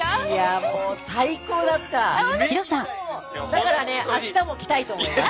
だからね明日も来たいと思います。